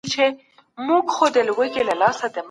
تعاون د اسلامي اخلاقو یو خورا مهم رکن دی.